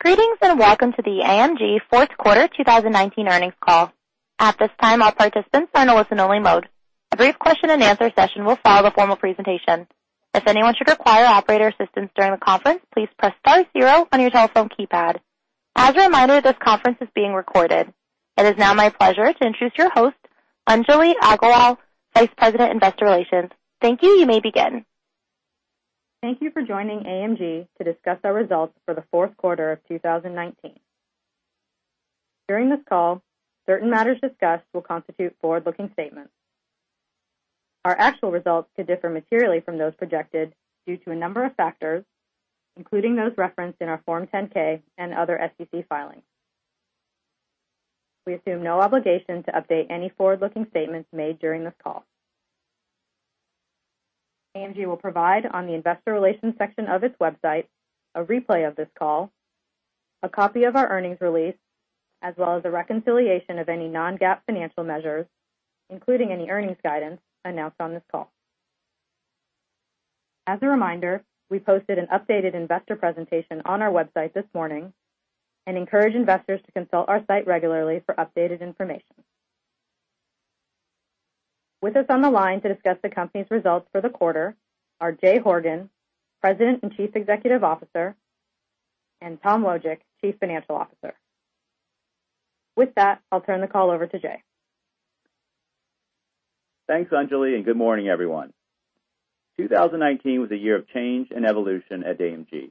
Greetings, and welcome to the AMG fourth quarter 2019 earnings call. At this time, all participants are in listen-only mode. A brief question-and-answer session will follow the formal presentation. If anyone should require operator assistance during the conference, please press star zero on your telephone keypad. As a reminder, this conference is being recorded. It is now my pleasure to introduce your host, Anjali Aggarwal, Vice President, Investor Relations. Thank you. You may begin. Thank you for joining AMG to discuss our results for the fourth quarter of 2019. During this call, certain matters discussed will constitute forward-looking statements. Our actual results could differ materially from those projected due to a number of factors, including those referenced in our Form 10-K and other SEC filings. We assume no obligation to update any forward-looking statements made during this call. AMG will provide, on the investor relations section of its website, a replay of this call, a copy of our earnings release, as well as a reconciliation of any non-GAAP financial measures, including any earnings guidance announced on this call. As a reminder, we posted an updated investor presentation on our website this morning and encourage investors to consult our site regularly for updated information. With us on the line to discuss the company's results for the quarter are Jay Horgen, President and Chief Executive Officer, and Tom Wojcik, Chief Financial Officer. With that, I'll turn the call over to Jay. Thanks, Anjali, and good morning, everyone. 2019 was a year of change and evolution at AMG.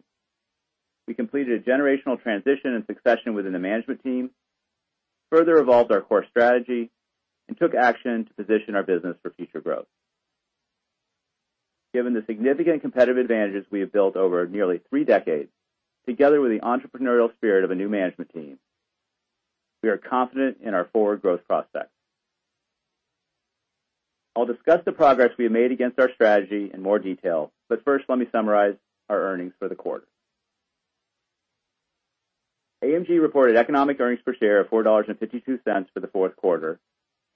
We completed a generational transition and succession within the management team, further evolved our core strategy, and took action to position our business for future growth. Given the significant competitive advantages we have built over nearly three decades, together with the entrepreneurial spirit of a new management team, we are confident in our forward growth prospects. I'll discuss the progress we have made against our strategy in more detail, but first, let me summarize our earnings for the quarter. AMG reported economic earnings per share of $4.52 for the fourth quarter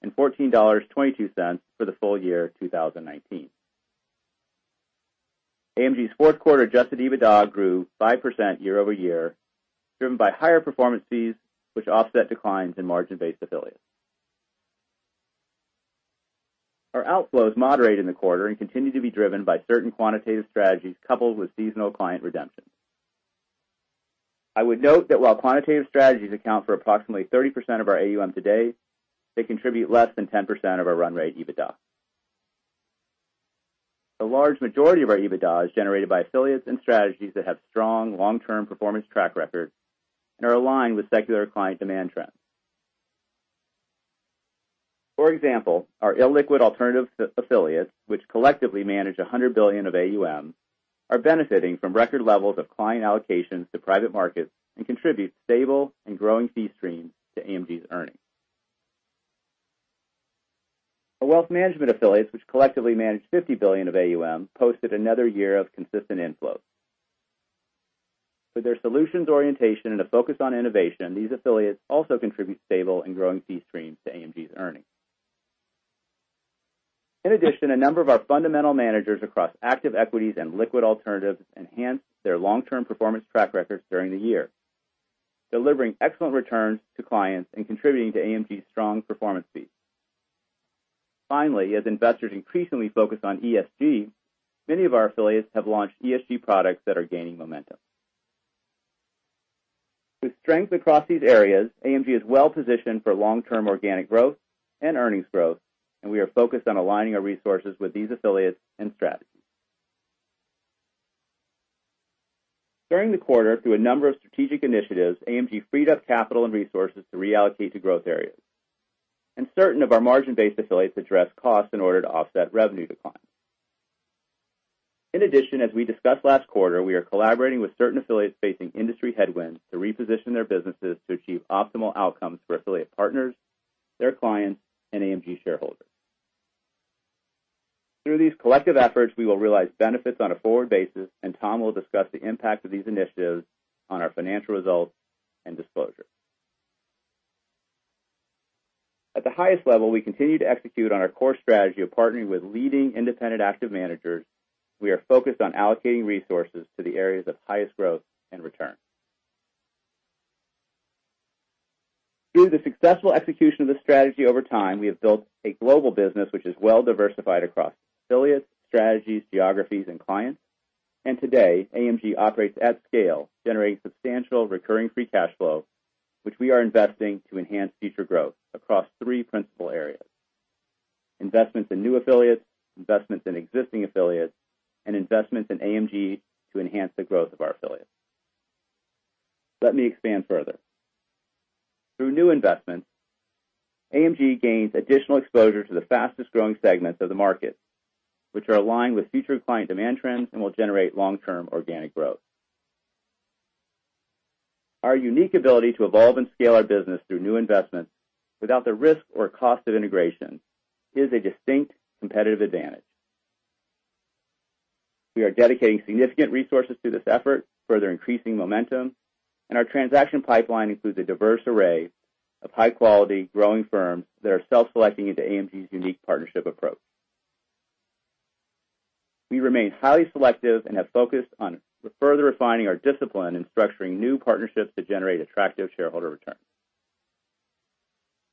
and $14.22 for the full year 2019. AMG's fourth quarter adjusted EBITDA grew 5% year-over-year, driven by higher performance fees, which offset declines in margin-based affiliates. Our outflows moderated in the quarter and continue to be driven by certain quantitative strategies coupled with seasonal client redemptions. I would note that while quantitative strategies account for approximately 30% of our AUM today, they contribute less than 10% of our run-rate EBITDA. A large majority of our EBITDA is generated by affiliates and strategies that have strong long-term performance track records and are aligned with secular client demand trends. For example, our illiquid alternative affiliates, which collectively manage $100 billion of AUM, are benefiting from record levels of client allocations to private markets and contribute stable and growing fee streams to AMG's earnings. Our wealth management affiliates, which collectively manage $50 billion of AUM, posted another year of consistent inflows. With their solutions orientation and a focus on innovation, these affiliates also contribute stable and growing fee streams to AMG's earnings. In addition, a number of our fundamental managers across active equities and liquid alternatives enhanced their long-term performance track records during the year, delivering excellent returns to clients and contributing to AMG's strong performance fees. Finally, as investors increasingly focus on ESG, many of our affiliates have launched ESG products that are gaining momentum. With strength across these areas, AMG is well-positioned for long-term organic growth and earnings growth, and we are focused on aligning our resources with these affiliates and strategies. During the quarter, through a number of strategic initiatives, AMG freed up capital and resources to reallocate to growth areas, and certain of our margin-based affiliates addressed costs in order to offset revenue declines. In addition, as we discussed last quarter, we are collaborating with certain affiliates facing industry headwinds to reposition their businesses to achieve optimal outcomes for affiliate partners, their clients, and AMG shareholders. Through these collective efforts, we will realize benefits on a forward basis, and Tom will discuss the impact of these initiatives on our financial results and disclosures. At the highest level, we continue to execute on our core strategy of partnering with leading independent active managers. We are focused on allocating resources to the areas of highest growth and return. Through the successful execution of this strategy over time, we have built a global business which is well diversified across affiliates, strategies, geographies, and clients. Today, AMG operates at scale, generating substantial recurring free cash flow, which we are investing to enhance future growth across three principal areas: investments in new affiliates, investments in existing affiliates, and investments in AMG to enhance the growth of our affiliates. Let me expand further. Through new investments, AMG gains additional exposure to the fastest-growing segments of the market, which are aligned with future client demand trends and will generate long-term organic growth. Our unique ability to evolve and scale our business through new investments without the risk or cost of integration is a distinct competitive advantage. We are dedicating significant resources to this effort, further increasing momentum, and our transaction pipeline includes a diverse array of high-quality, growing firms that are self-selecting into AMG's unique partnership approach. We remain highly selective and have focused on further refining our discipline in structuring new partnerships to generate attractive shareholder returns.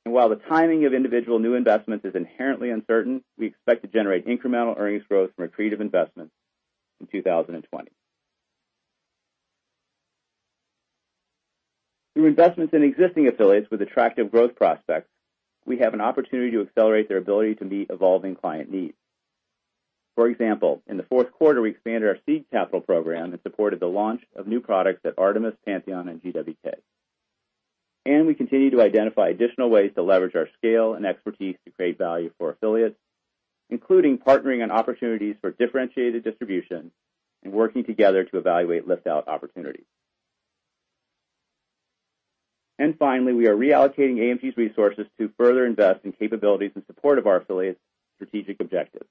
While the timing of individual new investments is inherently uncertain, we expect to generate incremental earnings growth from accretive investments in 2020. Through investments in existing affiliates with attractive growth prospects, we have an opportunity to accelerate their ability to meet evolving client needs. For example, in the fourth quarter, we expanded our seed capital program that supported the launch of new products at Artemis, Pantheon, and GW&K. We continue to identify additional ways to leverage our scale and expertise to create value for affiliates, including partnering on opportunities for differentiated distribution and working together to evaluate lift-out opportunities. Finally, we are reallocating AMG's resources to further invest in capabilities in support of our affiliates' strategic objectives.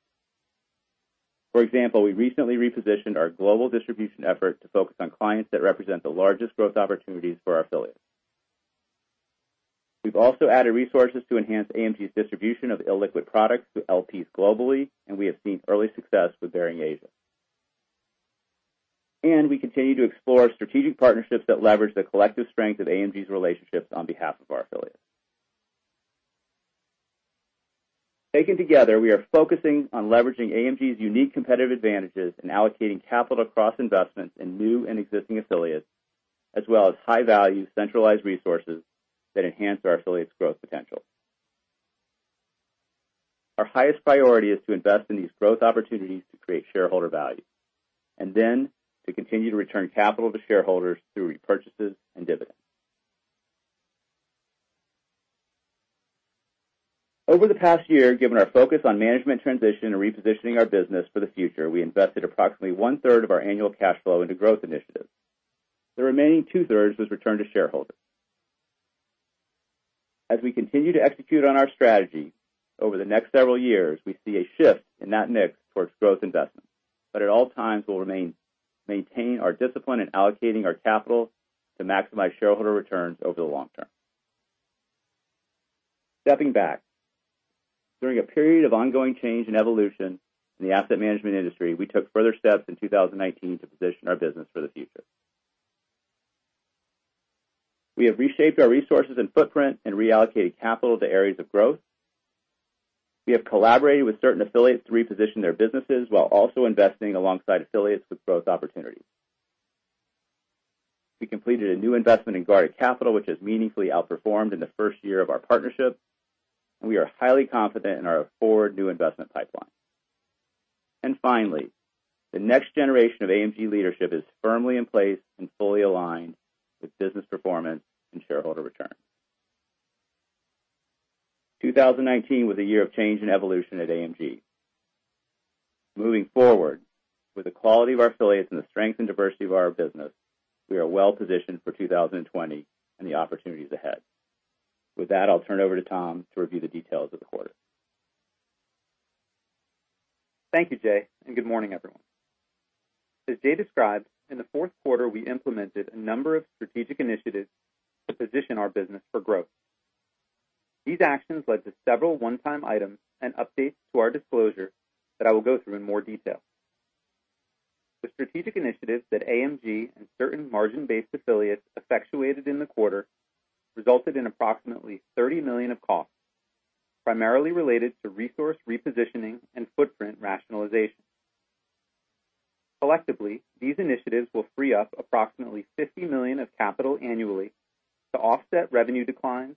For example, we recently repositioned our global distribution effort to focus on clients that represent the largest growth opportunities for our affiliates. We've also added resources to enhance AMG's distribution of illiquid products through LPs globally, and we have seen early success with Baring Asia. We continue to explore strategic partnerships that leverage the collective strength of AMG's relationships on behalf of our affiliates. Taken together, we are focusing on leveraging AMG's unique competitive advantages and allocating capital across investments in new and existing affiliates, as well as high-value centralized resources that enhance our affiliates' growth potential. Our highest priority is to invest in these growth opportunities to create shareholder value, and then to continue to return capital to shareholders through repurchases and dividends. Over the past year, given our focus on management transition and repositioning our business for the future, we invested approximately 33% of our annual cash flow into growth initiatives. The remaining 67% was returned to shareholders. As we continue to execute on our strategy over the next several years, we see a shift in that mix towards growth investments. At all times, we'll maintain our discipline in allocating our capital to maximize shareholder returns over the long term. Stepping back, during a period of ongoing change and evolution in the asset management industry, we took further steps in 2019 to position our business for the future. We have reshaped our resources and footprint and reallocated capital to areas of growth. We have collaborated with certain affiliates to reposition their businesses while also investing alongside affiliates with growth opportunities. We completed a new investment in Garda Capital, which has meaningfully outperformed in the first year of our partnership, and we are highly confident in our forward new investment pipeline. Finally, the next generation of AMG leadership is firmly in place and fully aligned with business performance and shareholder returns. 2019 was a year of change and evolution at AMG. Moving forward, with the quality of our affiliates and the strength and diversity of our business, we are well-positioned for 2020 and the opportunities ahead. With that, I'll turn over to Tom to review the details of the quarter. Thank you, Jay, and good morning, everyone. As Jay described, in the fourth quarter, we implemented a number of strategic initiatives to position our business for growth. These actions led to several one-time items and updates to our disclosure that I will go through in more detail. The strategic initiatives that AMG and certain margin-based affiliates effectuated in the quarter resulted in approximately $30 million of costs, primarily related to resource repositioning and footprint rationalization. Collectively, these initiatives will free up approximately $50 million of capital annually to offset revenue declines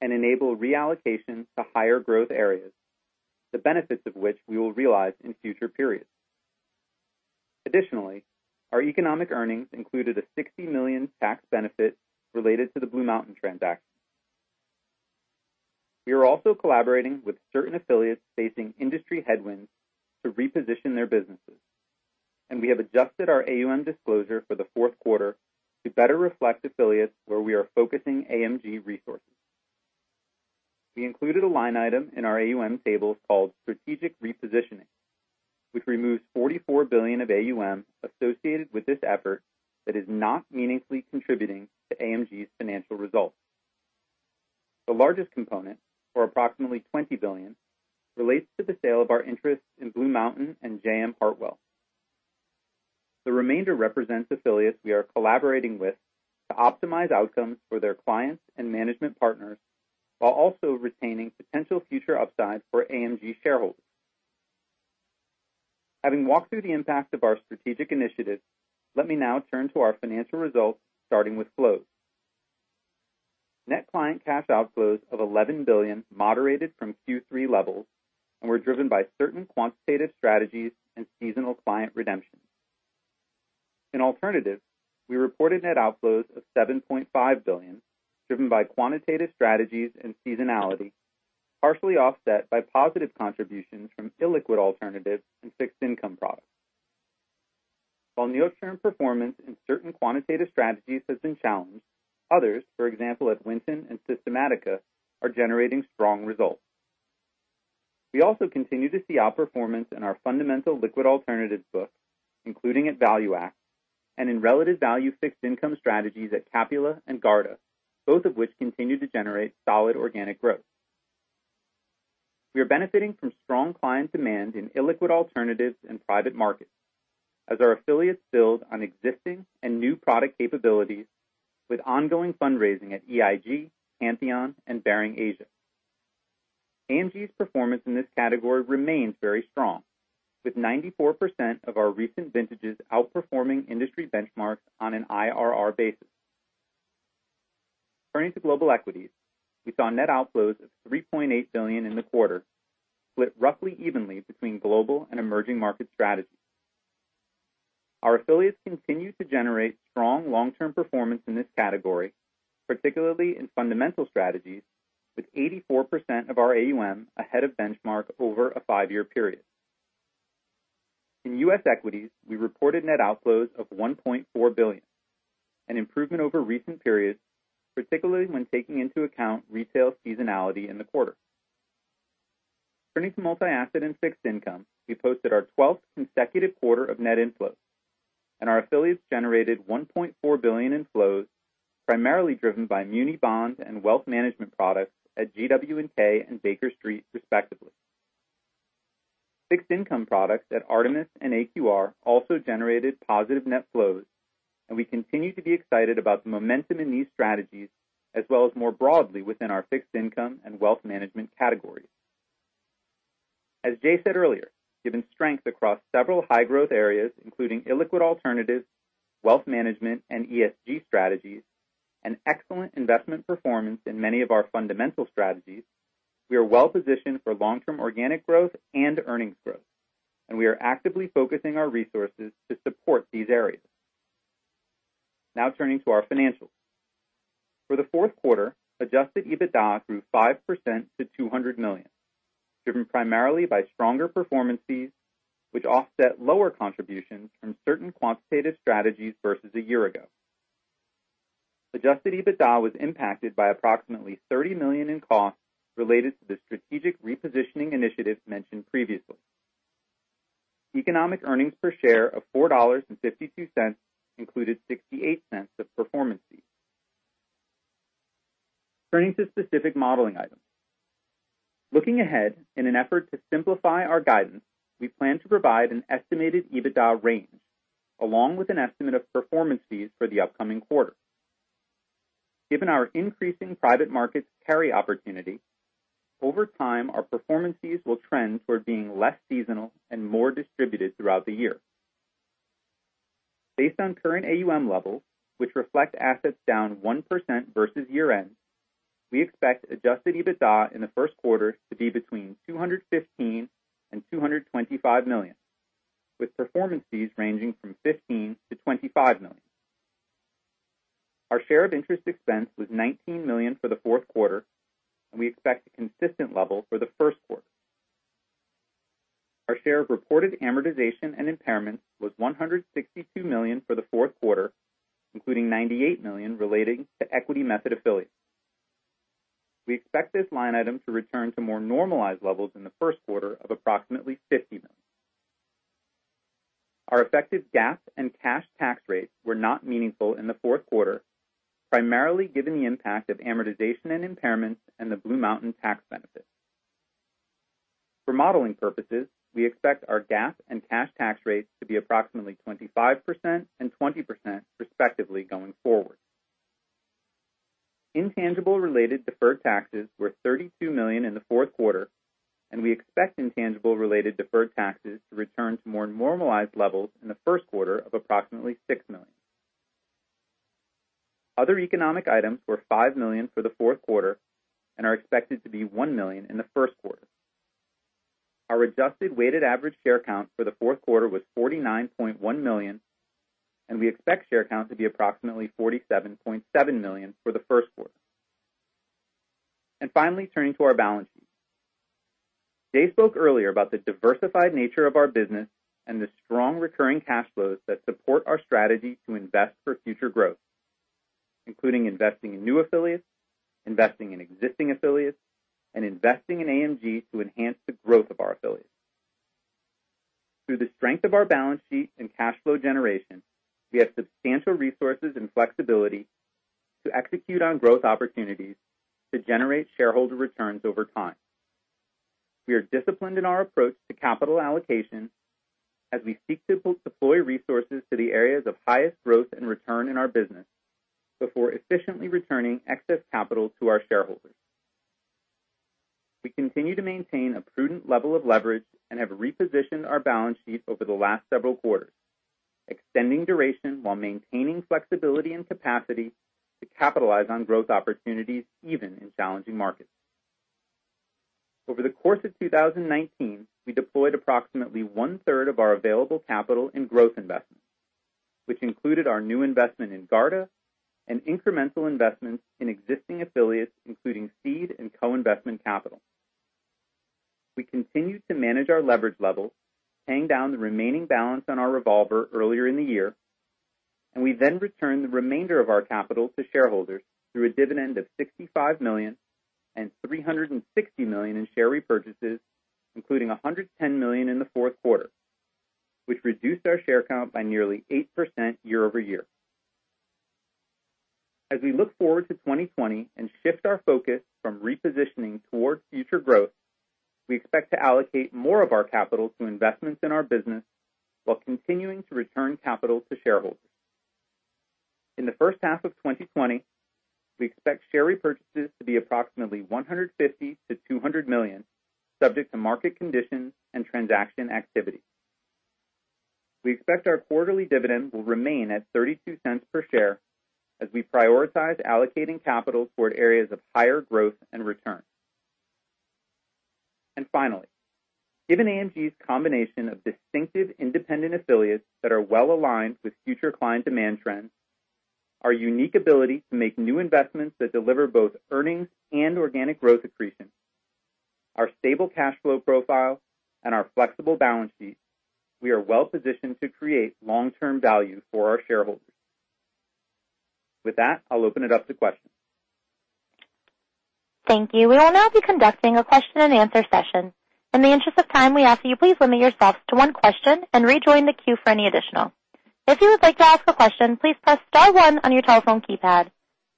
and enable reallocation to higher growth areas, the benefits of which we will realize in future periods. Additionally, our economic earnings included a $60 million tax benefit related to the BlueMountain transaction. We are also collaborating with certain affiliates facing industry headwinds to reposition their businesses. We have adjusted our AUM disclosure for the fourth quarter to better reflect affiliates where we are focusing AMG resources. We included a line item in our AUM table called strategic repositioning, which removes $44 billion of AUM associated with this effort that is not meaningfully contributing to AMG's financial results. The largest component, or approximately $20 billion, relates to the sale of our interests in BlueMountain and J.M. Hartwell. The remainder represents affiliates we are collaborating with to optimize outcomes for their clients and management partners while also retaining potential future upside for AMG shareholders. Having walked through the impact of our strategic initiatives, let me now turn to our financial results, starting with flows. Net client cash outflows of $11 billion moderated from Q3 levels and were driven by certain quantitative strategies and seasonal client redemptions. In alternatives, we reported net outflows of $7.5 billion, driven by quantitative strategies and seasonality, partially offset by positive contributions from illiquid alternatives and fixed income products. While near-term performance in certain quantitative strategies has been challenged, others, for example, at Winton and Systematica, are generating strong results. We also continue to see outperformance in our fundamental liquid alternatives book, including at ValueAct, and in relative value fixed income strategies at Capula and Garda, both of which continue to generate solid organic growth. We are benefiting from strong client demand in illiquid alternatives and private markets as our affiliates build on existing and new product capabilities with ongoing fundraising at EIG, Pantheon, and Baring Asia. AMG's performance in this category remains very strong, with 94% of our recent vintages outperforming industry benchmarks on an IRR basis. Turning to global equities, we saw net outflows of $3.8 billion in the quarter, split roughly evenly between global and emerging market strategies. Our affiliates continue to generate strong long-term performance in this category, particularly in fundamental strategies, with 84% of our AUM ahead of benchmark over a 5-year-period. In U.S. equities, we reported net outflows of $1.4 billion, an improvement over recent periods, particularly when taking into account retail seasonality in the quarter. Turning to multi-asset and fixed income, we posted our 12th consecutive quarter of net inflows, and our affiliates generated $1.4 billion inflows, primarily driven by muni bond and wealth management products at GW&K and Baker Street, respectively. Fixed income products at Artemis and AQR also generated positive net flows. We continue to be excited about the momentum in these strategies, as well as more broadly within our fixed income and wealth management categories. As Jay said earlier, given strength across several high-growth areas, including illiquid alternatives, wealth management, and ESG strategies, excellent investment performance in many of our fundamental strategies, we are well-positioned for long-term organic growth and earnings growth. We are actively focusing our resources to support these areas. Now turning to our financials. For the fourth quarter, adjusted EBITDA grew 5% to $200 million, driven primarily by stronger performance fees, which offset lower contributions from certain quantitative strategies versus a year ago. Adjusted EBITDA was impacted by approximately $30 million in costs related to the strategic repositioning initiatives mentioned previously. Economic earnings per share of $4.52 included $0.68 of performance fees. Turning to specific modeling items. Looking ahead, in an effort to simplify our guidance, we plan to provide an estimated EBITDA range, along with an estimate of performance fees for the upcoming quarter. Given our increasing private markets carry opportunity, over time, our performance fees will trend toward being less seasonal and more distributed throughout the year. Based on current AUM levels, which reflect assets down 1% versus year-end, we expect adjusted EBITDA in the first quarter to be between $215 million and $225 million, with performance fees ranging from $15 million-$25 million. Our share of interest expense was $19 million for the fourth quarter, and we expect a consistent level for the first quarter. Our share of reported amortization and impairment was $162 million for the fourth quarter, including $98 million relating to equity method affiliates. We expect this line item to return to more normalized levels in the first quarter of approximately $50 million. Our effective GAAP and cash tax rates were not meaningful in the fourth quarter, primarily given the impact of amortization and impairments and the BlueMountain tax benefit. For modeling purposes, we expect our GAAP and cash tax rates to be approximately 25% and 20%, respectively, going forward. Intangible-related deferred taxes were $32 million in the fourth quarter, and we expect intangible-related deferred taxes to return to more normalized levels in the first quarter of approximately $6 million. Other economic items were $5 million for the fourth quarter and are expected to be $1 million in the first quarter. Our adjusted weighted average share count for the fourth quarter was 49.1 million, and we expect share count to be approximately 47.7 million for the first quarter. Finally, turning to our balance sheet. Jay spoke earlier about the diversified nature of our business and the strong recurring cash flows that support our strategy to invest for future growth. Including investing in new affiliates, investing in existing affiliates, and investing in AMG to enhance the growth of our affiliates. Through the strength of our balance sheet and cash flow generation, we have substantial resources and flexibility to execute on growth opportunities to generate shareholder returns over time. We are disciplined in our approach to capital allocation as we seek to deploy resources to the areas of highest growth and return in our business before efficiently returning excess capital to our shareholders. We continue to maintain a prudent level of leverage and have repositioned our balance sheet over the last several quarters, extending duration while maintaining flexibility and capacity to capitalize on growth opportunities, even in challenging markets. Over the course of 2019, we deployed approximately 33% of our available capital in growth investments, which included our new investment in Garda and incremental investments in existing affiliates, including seed and co-investment capital. We continued to manage our leverage levels, paying down the remaining balance on our revolver earlier in the year. We then returned the remainder of our capital to shareholders through a dividend of $65 million and $360 million in share repurchases, including $110 million in the fourth quarter, which reduced our share count by nearly 8% year-over-year. As we look forward to 2020 and shift our focus from repositioning towards future growth, we expect to allocate more of our capital to investments in our business while continuing to return capital to shareholders. In the first half of 2020, we expect share repurchases to be approximately $150 million-$200 million, subject to market conditions and transaction activity. We expect our quarterly dividend will remain at $0.32 per share as we prioritize allocating capital toward areas of higher growth and return. Finally, given AMG's combination of distinctive independent affiliates that are well-aligned with future client demand trends, our unique ability to make new investments that deliver both earnings and organic growth accretion, our stable cash flow profile, and our flexible balance sheet, we are well-positioned to create long-term value for our shareholders. With that, I'll open it up to questions. Thank you. We will now be conducting a question-and-answer session. In the interest of time, we ask that you please limit yourselves to one question and rejoin the queue for any additional. If you would like to ask a question, please press star one on your telephone keypad.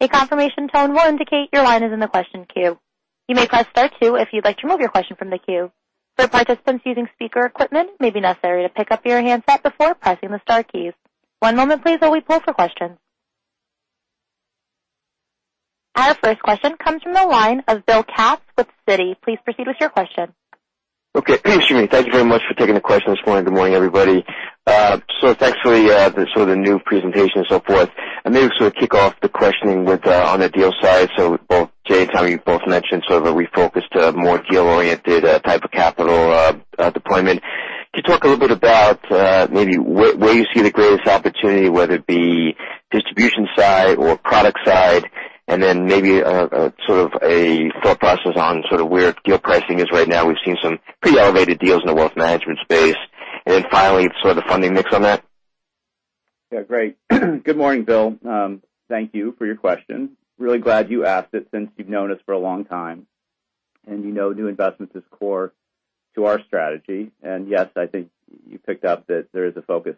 A confirmation tone will indicate your line is in the question queue. You may press star two if you'd like to remove your question from the queue. For participants using speaker equipment, it may be necessary to pick up your handset before pressing the star keys. One moment, please, while we pull for questions. Our first question comes from the line of Bill Katz with Citi. Please proceed with your question. Okay. Thanks, Tom and Jay. Thank you very much for taking the question this morning. Good morning, everybody. Thanks for the new presentation and so forth. Maybe to sort of kick off the questioning on the deal side. Both Jay and Tom, you both mentioned sort of a refocused, more deal-oriented type of capital deployment. Could you talk a little bit about maybe where you see the greatest opportunity, whether it be distribution side or product side? Maybe sort of a thought process on sort of where deal pricing is right now? We've seen some pretty elevated deals in the wealth management space. Finally, sort of the funding mix on that? Yeah. Great. Good morning, Bill. Thank you for your question. Really glad you asked it since you've known us for a long time, and you know new investments is core to our strategy. Yes, I think you picked up that there is a focus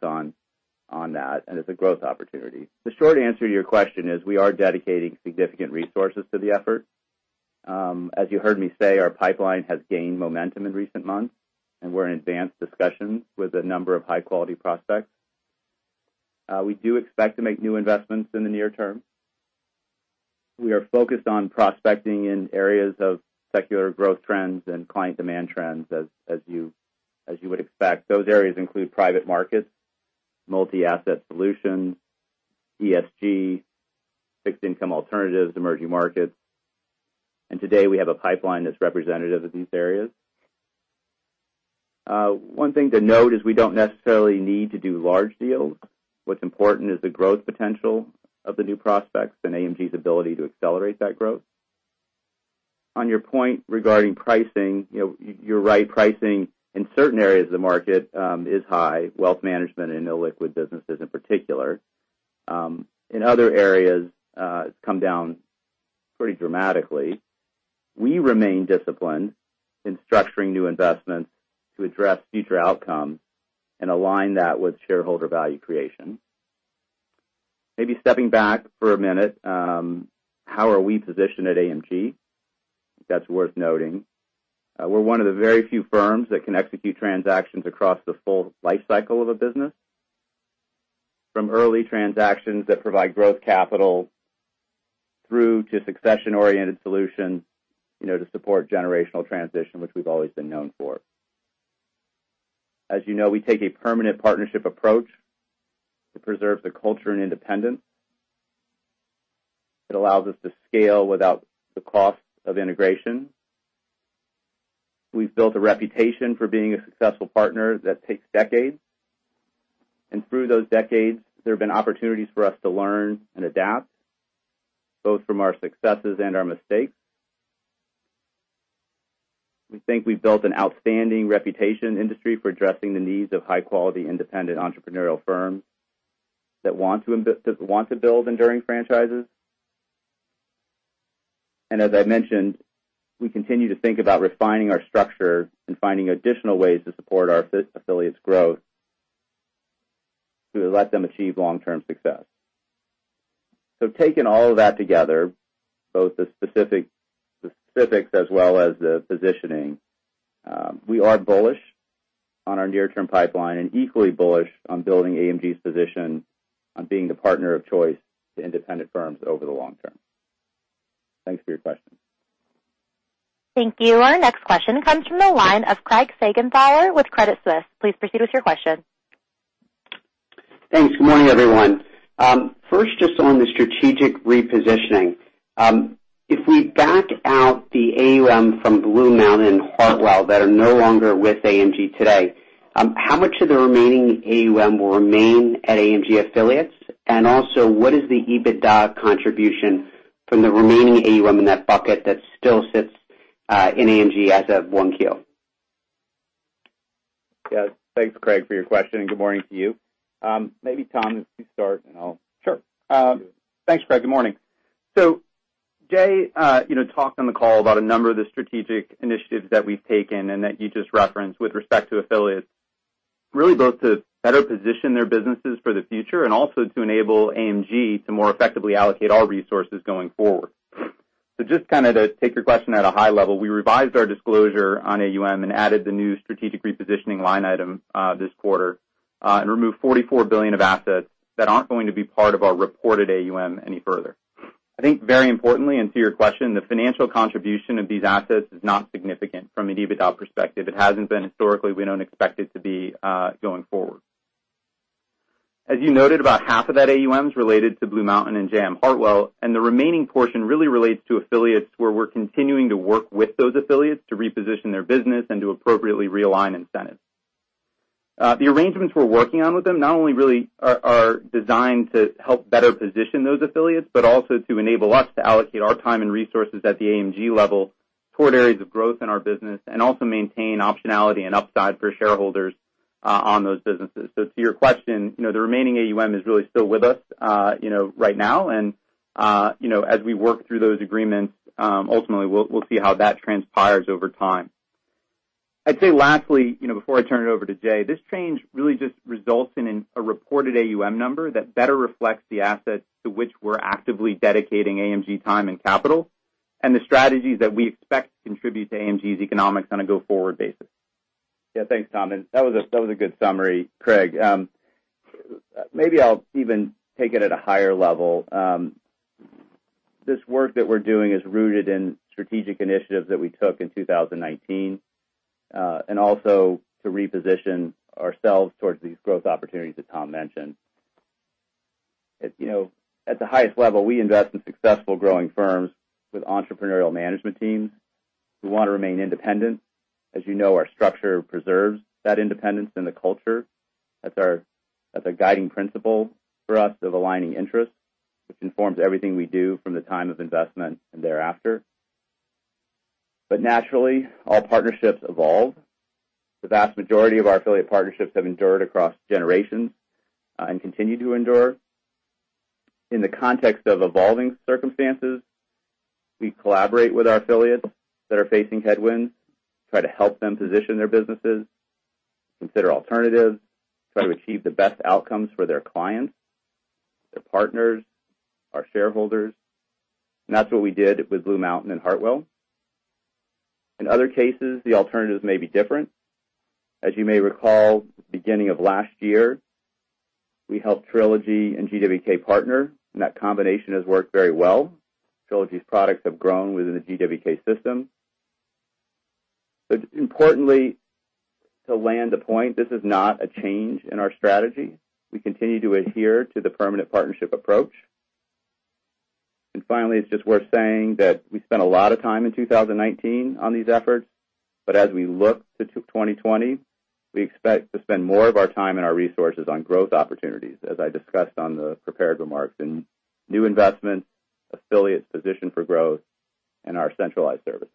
on that, and it's a growth opportunity. The short answer to your question is we are dedicating significant resources to the effort. As you heard me say, our pipeline has gained momentum in recent months, and we're in advanced discussions with a number of high-quality prospects. We do expect to make new investments in the near term. We are focused on prospecting in areas of secular growth trends and client demand trends, as you would expect. Those areas include private markets, multi-asset solutions, ESG, fixed income alternatives, emerging markets. Today, we have a pipeline that's representative of these areas. One thing to note is we don't necessarily need to do large deals. What's important is the growth potential of the new prospects and AMG's ability to accelerate that growth. On your point regarding pricing, you're right. Pricing in certain areas of the market is high, wealth management and illiquid businesses in particular. In other areas, it's come down pretty dramatically. We remain disciplined in structuring new investments to address future outcomes and align that with shareholder value creation. Maybe stepping back for a minute, how are we positioned at AMG? That's worth noting. We're one of the very few firms that can execute transactions across the full life cycle of a business, from early transactions that provide growth capital through to succession-oriented solutions to support generational transition, which we've always been known for. As you know, we take a permanent partnership approach to preserve the culture and independence. It allows us to scale without the cost of integration. We've built a reputation for being a successful partner that takes decades. Through those decades, there have been opportunities for us to learn and adapt, both from our successes and our mistakes. We think we've built an outstanding reputation in the industry for addressing the needs of high-quality, independent entrepreneurial firms that want to build enduring franchises. As I mentioned, we continue to think about refining our structure and finding additional ways to support our affiliates' growth to let them achieve long-term success. Taking all of that together, both the specifics as well as the positioning, we are bullish on our near-term pipeline and equally bullish on building AMG's position on being the partner of choice to independent firms over the long term. Thanks for your question. Thank you. Our next question comes from the line of Craig Siegenthaler with Credit Suisse. Please proceed with your question. Thanks. Good morning, everyone. First, just on the strategic repositioning. If we back out the AUM from BlueMountain and Hartwell that are no longer with AMG today, how much of the remaining AUM will remain at AMG Affiliates? Also, what is the EBITDA contribution from the remaining AUM in that bucket that still sits in AMG as of 1Q? Yeah. Thanks, Craig, for your question. Good morning to you. Maybe Tom, if you start. Sure. Thanks, Craig. Good morning. Jay talked on the call about a number of the strategic initiatives that we've taken and that you just referenced with respect to affiliates. Really, both to better position their businesses for the future and also to enable AMG to more effectively allocate our resources going forward. Just to take your question at a high level, we revised our disclosure on AUM and added the new strategic repositioning line item this quarter, and removed $44 billion of assets that aren't going to be part of our reported AUM any further. I think, very importantly, and to your question, the financial contribution of these assets is not significant from an EBITDA perspective. It hasn't been historically. We don't expect it to be going forward. As you noted, about 50% of that AUM is related to BlueMountain and J.M. Hartwell; the remaining portion really relates to affiliates where we're continuing to work with those affiliates to reposition their business and to appropriately realign incentives. The arrangements we're working on with them not only really are designed to help better position those affiliates but also to enable us to allocate our time and resources at the AMG level toward areas of growth in our business and also maintain optionality and upside for shareholders on those businesses. To your question, the remaining AUM is really still with us right now, as we work through those agreements; ultimately, we'll see how that transpires over time. I'd say lastly, before I turn it over to Jay, this change really just results in a reported AUM number that better reflects the assets to which we're actively dedicating AMG time and capital and the strategies that we expect to contribute to AMG's economics on a go-forward basis. Yeah. Thanks, Tom, that was a good summary. Craig, maybe I'll even take it at a higher level. This work that we're doing is rooted in strategic initiatives that we took in 2019, also to reposition ourselves towards these growth opportunities that Tom mentioned. At the highest level, we invest in successful growing firms with entrepreneurial management teams who want to remain independent. As you know, our structure preserves that independence in the culture. That's a guiding principle for us of aligning interests, which informs everything we do from the time of investment and thereafter. Naturally, all partnerships evolve. The vast majority of our affiliate partnerships have endured across generations and continue to endure. In the context of evolving circumstances, we collaborate with our affiliates that are facing headwinds, try to help them position their businesses, consider alternatives, try to achieve the best outcomes for their clients, their partners, our shareholders, and that's what we did with BlueMountain and Hartwell. In other cases, the alternatives may be different. As you may recall, at the beginning of last year, we helped Trilogy and GW&K partner, and that combination has worked very well. Trilogy's products have grown within the GW&K system. Importantly, to land the point, this is not a change in our strategy. We continue to adhere to the permanent partnership approach. Finally, it's just worth saying that we spent a lot of time in 2019 on these efforts, but as we look to 2020, we expect to spend more of our time and our resources on growth opportunities, as I discussed on the prepared remarks, in new investments, affiliates positioned for growth, and our centralized services.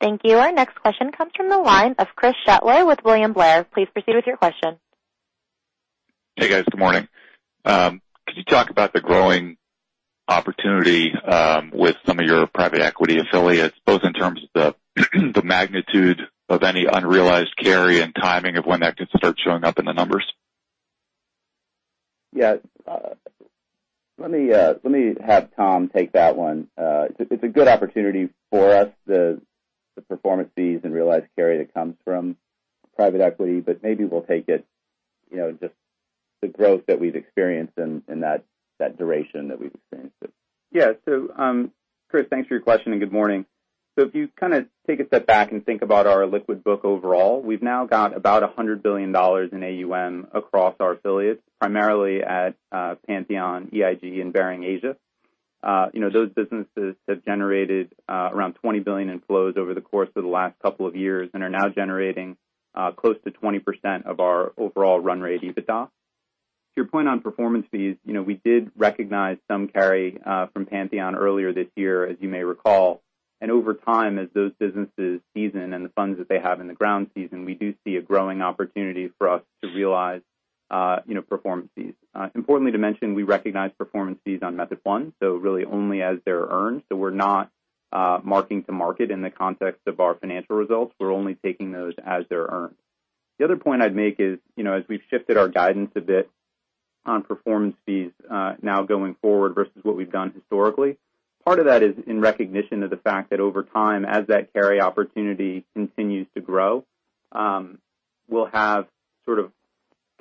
Thank you. Our next question comes from the line of Chris Shutler with William Blair. Please proceed with your question. Hey, guys. Good morning. Could you talk about the growing opportunity with some of your private equity affiliates, both in terms of the magnitude of any unrealized carry and timing of when that can start showing up in the numbers? Yeah. Let me have Tom take that one. It's a good opportunity for us, the performance fees and realized carry that come from private equity. Maybe we'll take it, just the growth that we have experienced in that duration that we've experienced it. Yeah. Chris, thanks for your question, and good morning. If you take a step back and think about our liquid book overall, we've now got about $100 billion in AUM across our affiliates, primarily at Pantheon, EIG, and Baring Asia. Those businesses have generated around $20 billion inflows over the course of the last couple of years and are now generating close to 20% of our overall run rate EBITDA. To your point on performance fees, we did recognize some carry from Pantheon earlier this year, as you may recall. Over time, as those businesses season and the funds that they have in the ground season, we do see a growing opportunity for us to realize performance fees. Importantly to mention, we recognize performance fees on method one, so really only as they're earned. We're not marking to market in the context of our financial results. We're only taking those as they're earned. The other point I'd make is, as we've shifted our guidance a bit on performance fees now going forward versus what we've done historically, part of that is in recognition of the fact that over time, as that carry opportunity continues to grow, we'll have sort of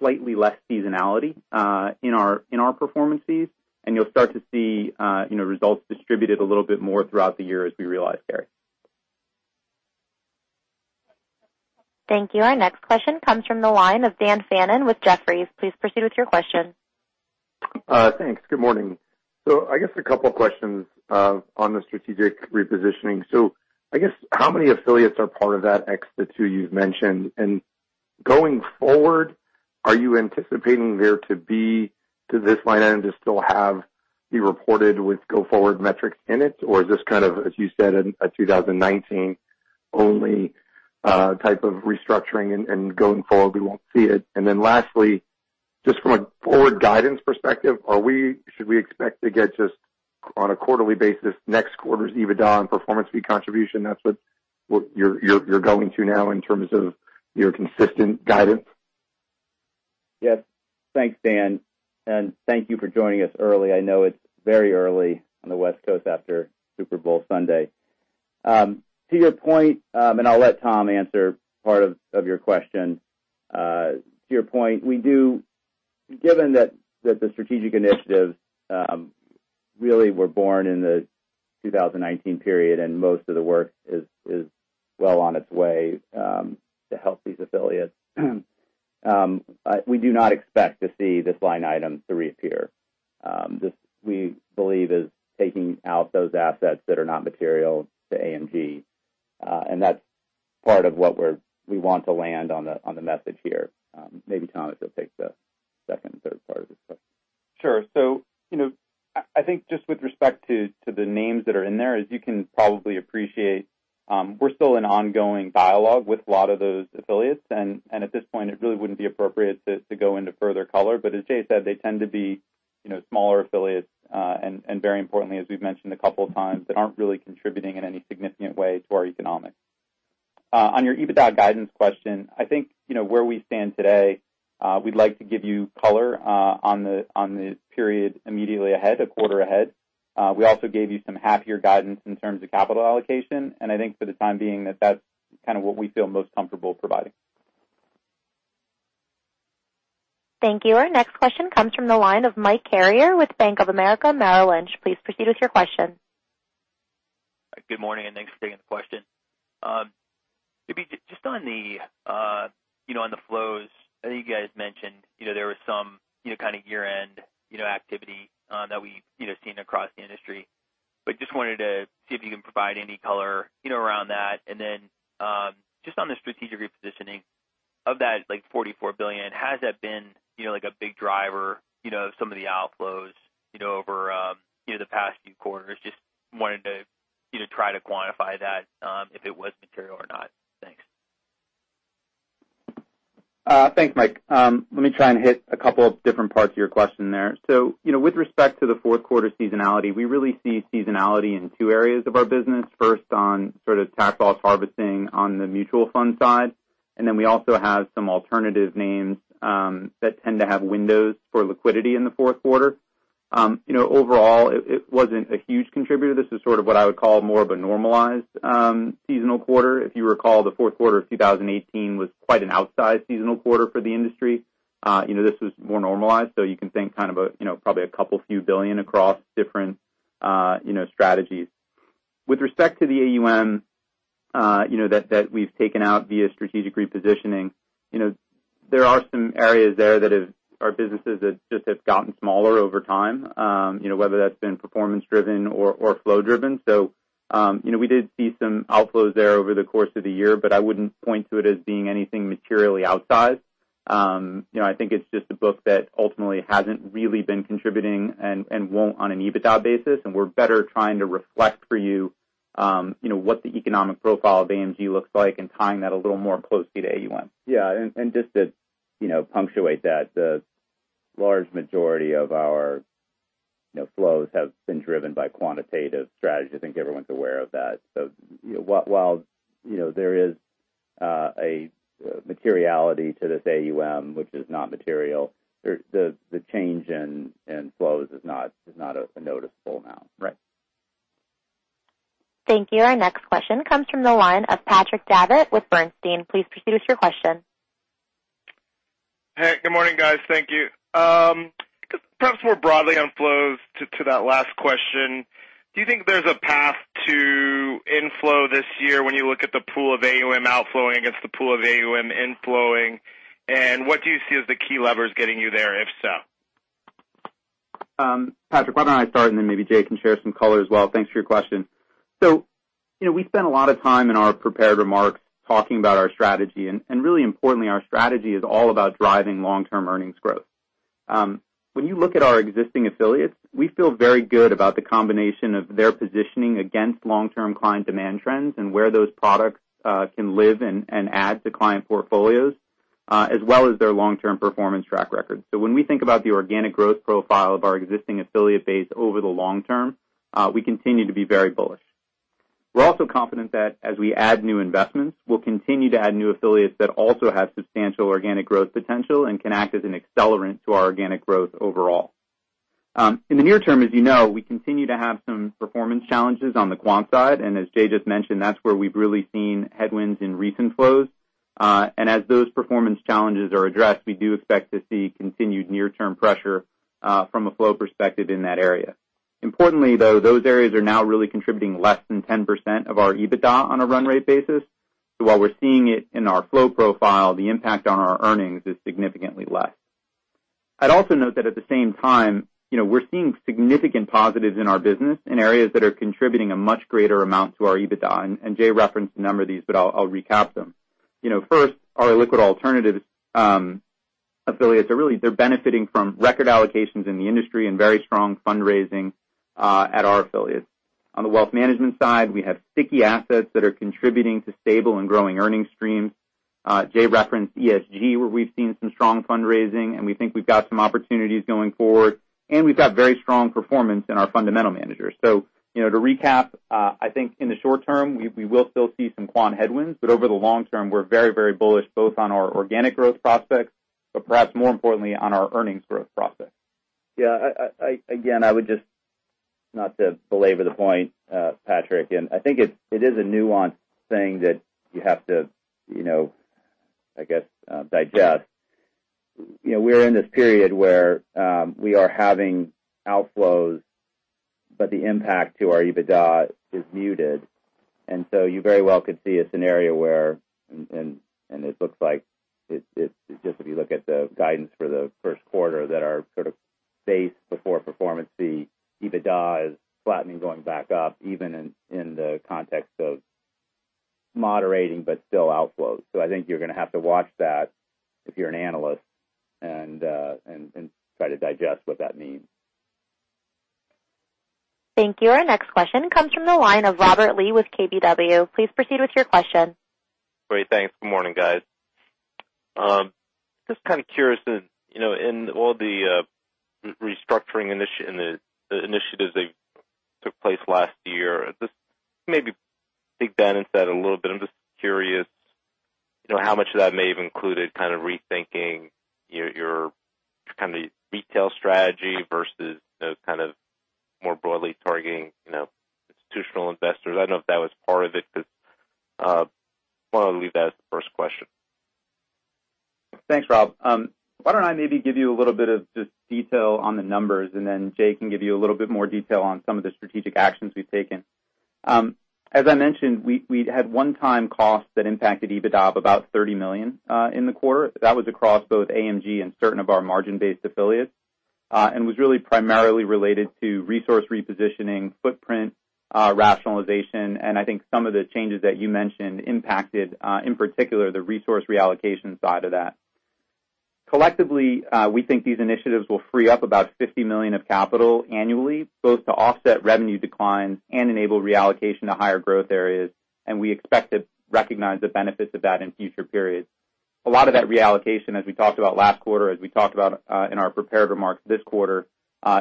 slightly less seasonality in our performance fees, and you'll start to see results distributed a little bit more throughout the year as we realize carry. Thank you. Our next question comes from the line of Dan Fannon with Jefferies. Please proceed with your question. Thanks. Good morning. I guess a couple questions on the strategic repositioning. I guess how many affiliates are part of that extra two you've mentioned? Going forward, does this line item just still have be reported with go-forward metrics in it? Is this kind of, as you said, a 2019-only type of restructuring, and going forward, we won't see it? Lastly, just from a forward guidance perspective, should we expect to get just on a quarterly basis next quarter's EBITDA and performance fee contribution? That's what you're going to now in terms of your consistent guidance? Yes. Thanks, Dan, and thank you for joining us early. I know it's very early on the West Coast after Super Bowl Sunday. To your point, and I'll let Tom answer part of your question. To your point, given that the strategic initiatives really were born in the 2019 period and most of the work is well on its way to help these affiliates, we do not expect to see this line item to reappear. This, we believe, is taking out those assets that are not material to AMG. That's part of what we want to land on the message here. Maybe Tom will just take the second and third parts of this question. Sure. I think just with respect to the names that are in there, as you can probably appreciate, we're still in ongoing dialogue with a lot of those affiliates. At this point, it really wouldn't be appropriate to go into further color. As Jay said, they tend to be smaller affiliates, and very importantly, as we've mentioned a couple of times, that aren't really contributing in any significant way to our economics. On your EBITDA guidance question, I think, where we stand today, we'd like to give you color on the period immediately ahead, a quarter ahead. We also gave you some half-year guidance in terms of capital allocation, and I think for the time being, that's kind of what we feel most comfortable providing. Thank you. Our next question comes from the line of Mike Carrier with Bank of America Merrill Lynch. Please proceed with your question. Good morning. Thanks for taking the question. Maybe just on the flows. I know you guys mentioned there was some year-end activity that we've seen across the industry, but just wanted to see if you can provide any color around that. Then, just on the strategic repositioning. Of that $44 billion, has that been a big driver of some of the outflows over the past few quarters? Just wanted to try to quantify that if it was material or not? Thanks. Thanks, Mike. Let me try and hit a couple of different parts of your question there. With respect to the fourth quarter seasonality, we really see seasonality in two areas of our business. First, on sort of tax loss harvesting on the mutual fund side. Then we also have some alternative names that tend to have windows for liquidity in the fourth quarter. Overall, it wasn't a huge contributor. This is sort of what I would call more of a normalized seasonal quarter. If you recall, the fourth quarter of 2018 was quite an outsized seasonal quarter for the industry. This was more normalized. You can think kind of probably a couple few billion across different strategies. With respect to the AUM that we've taken out via strategic repositioning, there are some areas there that are businesses that just have gotten smaller over time, whether that's been performance-driven or flow-driven. We did see some outflows there over the course of the year, but I wouldn't point to it as being anything materially outsized. I think it's just a book that ultimately hasn't really been contributing and won't on an EBITDA basis. We're better trying to reflect for you what the economic profile of AMG looks like and tying that a little more closely to AUM. Yeah. Just to punctuate that, the large majority of our flows have been driven by quantitative strategy. I think everyone's aware of that. While there is a materiality to this AUM which is not material, the change inflows is not a noticeable amount. Right. Thank you. Our next question comes from the line of Patrick Davitt with Bernstein. Please proceed with your question. Hey, good morning, guys. Thank you. Perhaps more broadly on flows to that last question, do you think there's a path to inflow this year when you look at the pool of AUM outflowing against the pool of AUM inflowing? What do you see as the key levers getting you there, if so? Patrick, why don't I start, and then maybe Jay can share some color as well. Thanks for your question. We spent a lot of time in our prepared remarks talking about our strategy, and, really importantly, our strategy is all about driving long-term earnings growth. When you look at our existing affiliates, we feel very good about the combination of their positioning against long-term client demand trends and where those products can live and add to client portfolios, as well as their long-term performance track record. When we think about the organic growth profile of our existing affiliate base over the long term, we continue to be very bullish. We're also confident that as we add new investments, we'll continue to add new affiliates that also have substantial organic growth potential and can act as an accelerant to our organic growth overall. In the near term, as you know, we continue to have some performance challenges on the quant side. As Jay just mentioned, that's where we've really seen headwinds in recent flows. As those performance challenges are addressed, we do expect to see continued near-term pressure from a flow perspective in that area. Importantly, though, those areas are now really contributing less than 10% of our EBITDA on a run rate basis. While we're seeing it in our flow profile, the impact on our earnings is significantly less. I'd also note that at the same time, we're seeing significant positives in our business in areas that are contributing a much greater amount to our EBITDA. Jay referenced a number of these, but I'll recap them. First, our liquid alternatives affiliates they're benefiting from record allocations in the industry and very strong fundraising at our affiliates. On the wealth management side, we have sticky assets that are contributing to stable and growing earnings streams. Jay referenced ESG, where we've seen some strong fundraising. We think we've got some opportunities going forward, we've got very strong performance in our fundamental managers. To recap, I think in the short term, we will still see some quant headwinds. Over the long term, we're very bullish both on our organic growth prospects, perhaps more importantly, on our earnings growth prospects. Yeah. Again, not to belabor the point, Patrick, and I think it is a nuanced thing that you have to, I guess, digest. We're in this period where we are having outflows, but the impact to our EBITDA is muted. You very well could see a scenario where, and it looks like it, just if you look at the guidance for the first quarter, that are sort of base before performance fee, EBITDA is flattening, going back up even in the context of moderating, but still outflows. I think you're going to have to watch that if you're an analyst and try to digest what that means. Thank you. Our next question comes from the line of Robert Lee with KBW. Please proceed with your question. Great. Thanks. Good morning, guys. Just kind of curious, in all the restructuring initiatives that took place last year, just maybe dig down inside a little bit, I'm just curious how much of that may have included kind of rethinking your retail strategy versus more broadly targeting institutional investors. I don't know if that was part of it, because I want to leave that as the first question. Thanks, Rob. Why don't I maybe give you a little bit of just detail on the numbers, and then Jay can give you a little bit more detail on some of the strategic actions we've taken? As I mentioned, we had one-time costs that impacted EBITDA of about $30 million in the quarter. That was across both AMG and certain of our margin-based affiliates, and was really primarily related to resource repositioning, footprint rationalization. I think some of the changes that you mentioned impacted, in particular, the resource reallocation side of that. Collectively, we think these initiatives will free up about $50 million of capital annually, both to offset revenue declines and enable reallocation to higher growth areas, and we expect to recognize the benefits of that in future periods. A lot of that reallocation, as we talked about last quarter, as we talked about in our prepared remarks this quarter,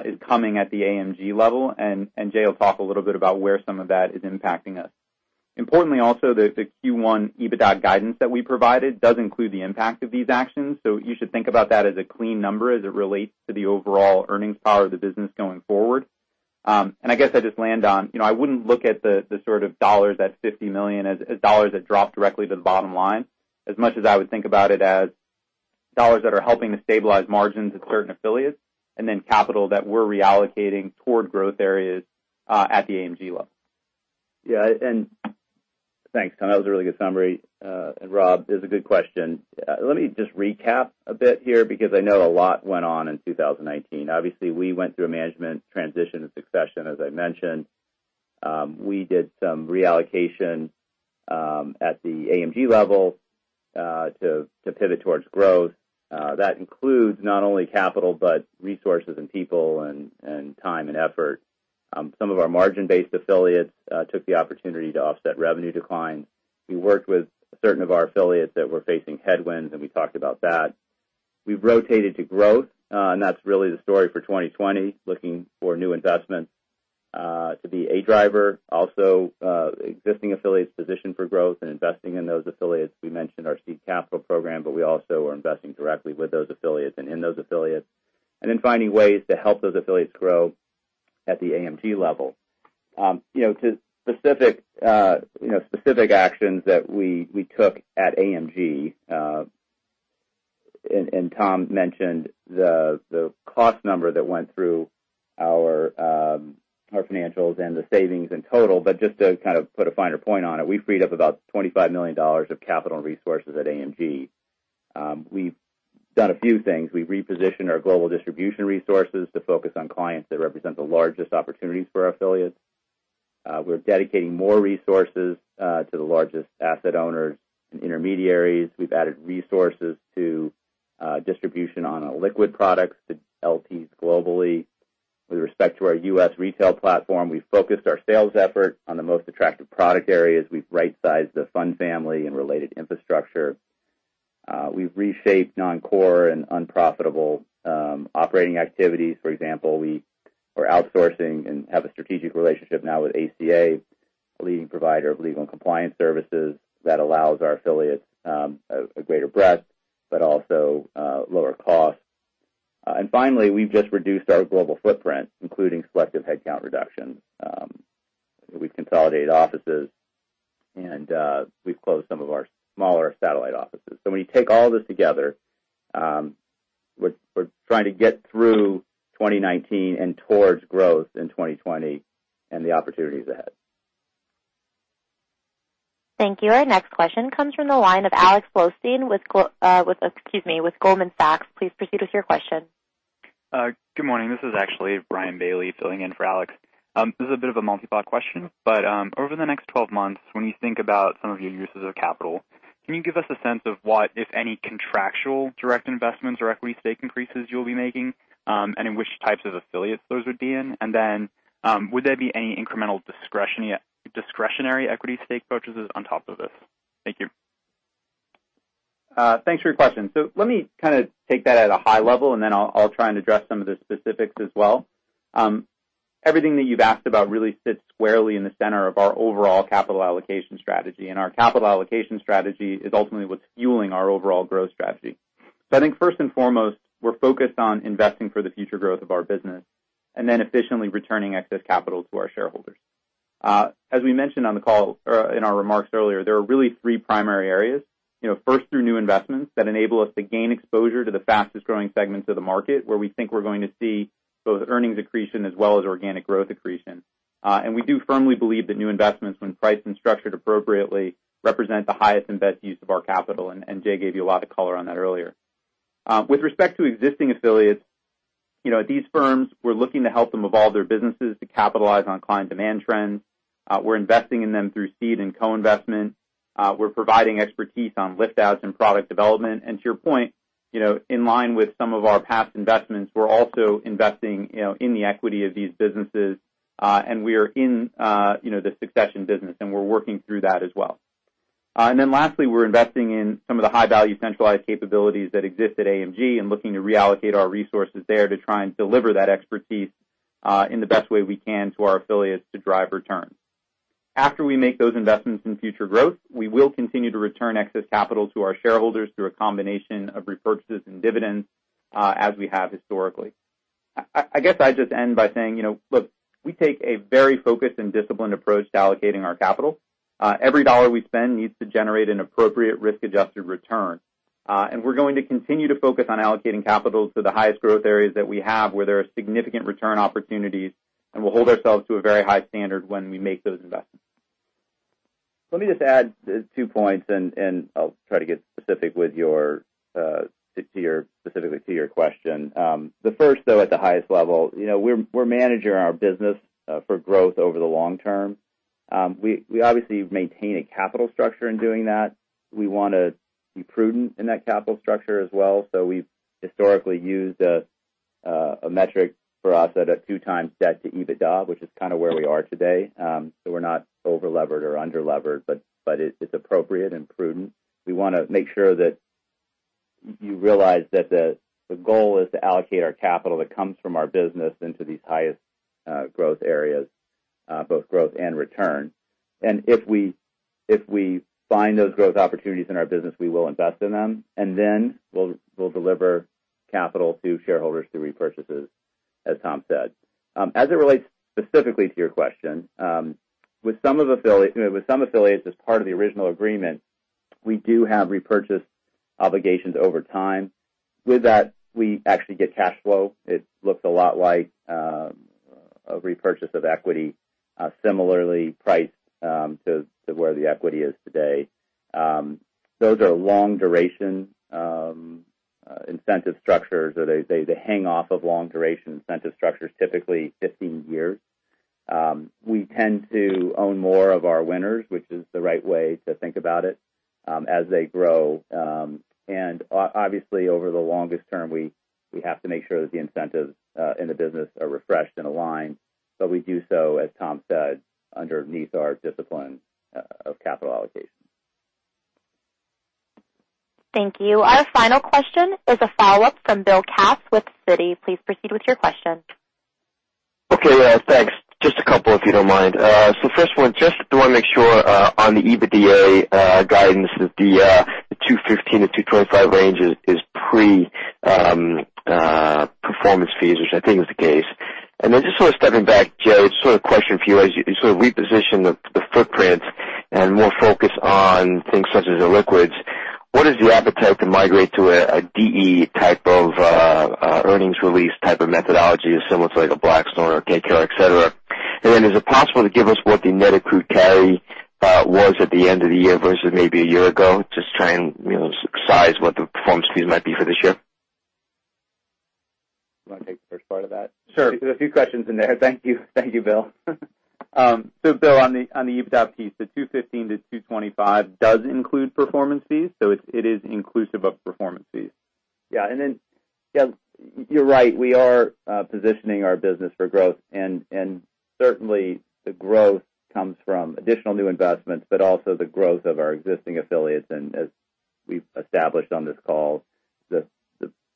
is coming at the AMG level, and Jay will talk a little bit about where some of that is impacting us. Importantly, also, the Q1 EBITDA guidance that we provided does include the impact of these actions. You should think about that as a clean number as it relates to the overall earnings power of the business going forward. I guess, I'd just land on, I wouldn't look at the sort of dollars, that $50 million as dollars that drop directly to the bottom line. As much as I would think about it as dollars that are helping to stabilize margins at certain affiliates, and then capital that we're reallocating toward growth areas at the AMG level. Yeah. Thanks, Tom. That was a really good summary. Rob, it's a good question. Let me just recap a bit here because I know a lot went on in 2019. Obviously, we went through a management transition and succession, as I mentioned. We did some reallocation at the AMG level to pivot towards growth. That includes not only capital, but resources and people, and time and effort. Some of our margin-based affiliates took the opportunity to offset revenue declines. We worked with certain of our affiliates that were facing headwinds, and we talked about that. We've rotated to growth, and that's really the story for 2020, looking for new investments to be a driver. Existing affiliates positioned for growth and investing in those affiliates. We mentioned our seed capital program, but we also are investing directly with those affiliates and in those affiliates. Then, finding ways to help those affiliates grow at the AMG level. To specific actions that we took at AMG, Tom mentioned the cost number that went through our financials and the savings in total. Just to kind of put a finer point on it, we freed up about $25 million of capital resources at AMG. We've done a few things. We repositioned our global distribution resources to focus on clients that represent the largest opportunities for our affiliates. We're dedicating more resources to the largest asset owners and intermediaries. We've added resources to distribution on our liquid products to LPs globally. With respect to our U.S. retail platform, we've focused our sales effort on the most attractive product areas. We've right-sized the fund family and related infrastructure. We've reshaped non-core and unprofitable operating activities. For example, we are outsourcing and have a strategic relationship now with ACA, a leading provider of legal and compliance services that allows our affiliates a greater breadth, but also lower costs. Finally, we've just reduced our global footprint, including selective headcount reduction. We've consolidated offices, and we've closed some of our smaller satellite offices. When you take all this together, we're trying to get through 2019 and towards growth in 2020 and the opportunities ahead. Thank you. Our next question comes from the line of Alex Blostein, excuse me, with Goldman Sachs. Please proceed with your question. Good morning. This is actually Ryan Bailey filling in for Alex. This is a bit of a multi-part question. Over the next 12 months, when you think about some of your uses of capital, can you give us a sense of what, if any, contractual direct investments or equity stake increases you'll be making, and in which types of affiliates those would be in? Would there be any incremental discretionary equity stake purchases on top of this? Thank you. Thanks for your question. Let me take that at a high level, and then I'll try and address some of the specifics as well. Everything that you've asked about really sits squarely in the center of our overall capital allocation strategy, and our capital allocation strategy is ultimately what's fueling our overall growth strategy. I think first and foremost, we're focused on investing for the future growth of our business and then efficiently returning excess capital to our shareholders. As we mentioned on the call or in our remarks earlier, there are really three primary areas. First, through new investments that enable us to gain exposure to the fastest-growing segments of the market, where we think we're going to see both earnings accretion as well as organic growth accretion. We do firmly believe that new investments, when priced and structured appropriately, represent the highest and best use of our capital. Jay gave you a lot of color on that earlier. With respect to existing affiliates, these firms, we're looking to help them evolve their businesses to capitalize on client demand trends. We're investing in them through seed and co-investment. We're providing expertise on lift-outs and product development. To your point, in line with some of our past investments, we're also investing in the equity of these businesses. We are in the succession business, and we're working through that as well. Lastly, we're investing in some of the high-value centralized capabilities that exist at AMG and looking to reallocate our resources there to try and deliver that expertise in the best way we can to our affiliates to drive returns. After we make those investments in future growth, we will continue to return excess capital to our shareholders through a combination of repurchases and dividends, as we have historically. I guess I'd just end by saying, look, we take a very focused and disciplined approach to allocating our capital. Every dollar we spend needs to generate an appropriate risk-adjusted return. We're going to continue to focus on allocating capital to the highest growth areas that we have, where there are significant return opportunities. We'll hold ourselves to a very high standard when we make those investments. Let me just add two points, and I'll try to get specific to your question. The first, though, at the highest level. We're managing our business for growth over the long term. We obviously maintain a capital structure in doing that. We want to be prudent in that capital structure as well. We've historically used a metric for us at a 2x debt to EBITDA, which is kind of where we are today. We're not overlevered or underlevered, but it's appropriate and prudent. We want to make sure that you realize that the goal is to allocate our capital that comes from our business into these highest growth areas, both growth and return. If we find those growth opportunities in our business, we will invest in them, and then we'll deliver capital to shareholders through repurchases, as Tom said. As it relates specifically to your question, with some affiliates as part of the original agreement, we do have repurchase obligations over time. With that, we actually get cash flow. It looks a lot like a repurchase of equity, similarly priced to where the equity is today. Those are long-duration incentive structures, or they hang off of long-duration incentive structures, typically 15 years. We tend to own more of our winners, which is the right way to think about it as they grow. Obviously, over the longest term, we have to make sure that the incentives in the business are refreshed and aligned. We do so, as Tom said, underneath our discipline of capital allocation. Thank you. Our final question is a follow-up from Bill Katz with Citi. Please proceed with your question. Okay. Thanks. Just a couple, if you don't mind. First one, just want to make sure on the EBITDA guidance that the $215 million-$225 million range is pre-performance fees, which I think is the case. Just sort of stepping back, Jay, sort of question for you as you sort of reposition the footprint and more focus on things such as the liquids. What is the appetite to migrate to a DE-type of earnings release type of methodology, as similar to like a Blackstone or KKR, et cetera? Is it possible to give us what the net accrued carry was at the end of the year versus maybe a year ago? Just trying to size what the performance fees might be for this year. You want to take the first part of that? Sure. There's a few questions in there. Thank you, Bill. Bill, on the EBITDA piece, the $215 million-$225 million does include performance fees. It is inclusive of performance fees. Yeah. Then you're right, we are positioning our business for growth. Certainly, the growth comes from additional new investments, but also the growth of our existing affiliates. As we've established on this call, the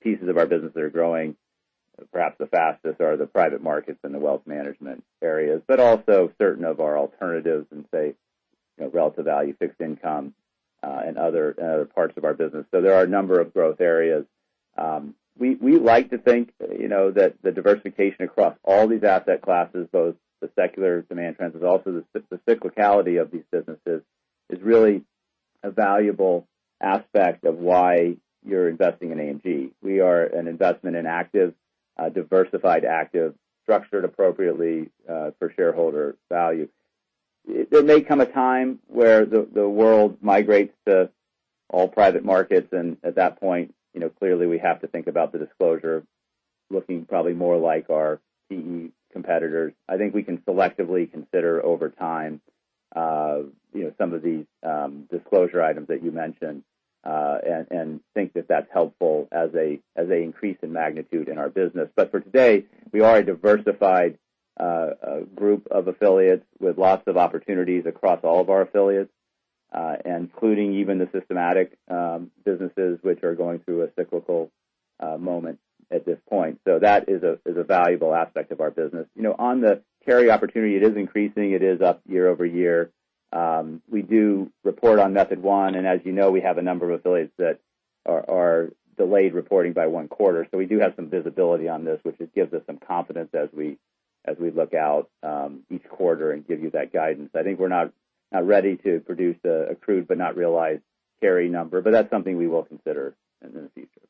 pieces of our business that are growing perhaps the fastest are the private markets and the wealth management areas, but also certain of our alternatives in, say, relative value fixed income and other parts of our business. There are a number of growth areas. We like to think that the diversification across all these asset classes, both the secular demand trends but also the cyclicality of these businesses, is really a valuable aspect of why you're investing in AMG. We are an investment in active, diversified active, structured appropriately for shareholder value. There may come a time where the world migrates to all private markets. At that point, clearly we have to think about the disclosure looking probably more like our PE competitors. I think we can selectively consider, over time some of these disclosure items that you mentioned and think that that's helpful as they increase in magnitude in our business. For today, we are a diversified group of affiliates with lots of opportunities across all of our affiliates, including even the systematic businesses which are going through a cyclical moment at this point. That is a valuable aspect of our business. On the carry opportunity, it is increasing. It is up year-over-year. We do report on Method 1. As you know, we have a number of affiliates that are delayed reporting by one quarter. We do have some visibility on this, which gives us some confidence as we look out each quarter and give you that guidance. I think we're not ready to produce an accrued but not realized carry number, that's something we will consider in the future.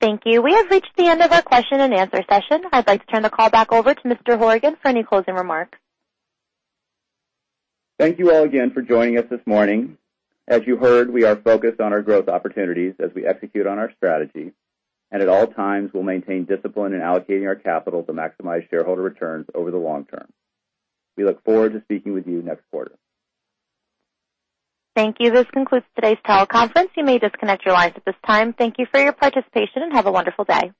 Thank you. We have reached the end of our question and answer session. I'd like to turn the call back over to Mr. Horgen for any closing remarks. Thank you all again for joining us this morning. As you heard, we are focused on our growth opportunities as we execute on our strategy. At all times, we'll maintain discipline in allocating our capital to maximize shareholder returns over the long term. We look forward to speaking with you next quarter. Thank you. This concludes today's teleconference. You may disconnect your lines at this time. Thank you for your participation, and have a wonderful day.